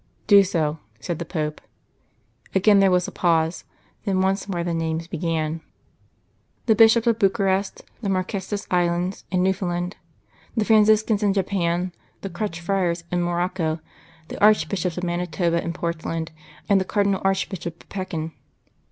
'" "Do so," said the Pope. Again there was a pause. Then once more the names began. "'The Bishops of Bukarest, the Marquesas Islands and Newfoundland. The Franciscans in Japan, the Crutched Friars in Morocco, the Archbishops of Manitoba and Portland, and the Cardinal Archbisbop of Pekin.